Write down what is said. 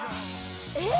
えっ！？